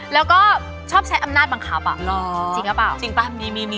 แล้วก็ชอบใช้อำนาจบังคับจริงหรือเปล่าจริงป่ะ